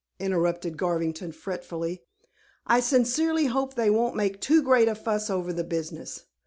interrupted Garvington fretfully. "I sincerely hope that they won't make too great a fuss over the business."